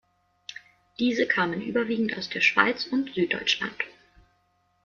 Diese kamen überwiegend aus der Schweiz und Süddeutschland.